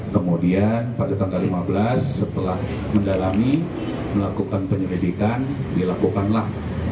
kemudian pada tanggal lima belas setelah mendalami melakukan penyelidikan dilakukanlah